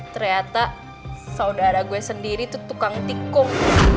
ternyata saudara gue sendiri itu tukang tikung